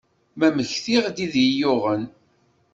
Ma mektiɣ-d i d iyi-yuɣen.